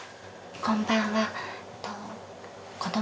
こんばんは。